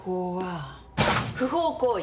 「不法行為」